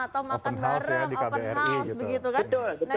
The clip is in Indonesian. atau makan bareng open house gitu kan